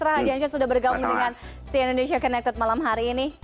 raja jensya sudah bergabung dengan si indonesia connected malam hari ini